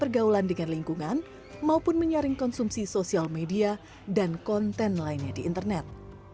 pergaulan dengan lingkungan maupun menyaring konsumsi sosial media dan konten lainnya di internet